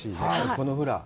このフラ。